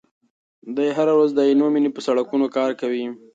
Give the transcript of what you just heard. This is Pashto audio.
دی هره ورځ د عینومېنې په سړکونو کار کوي.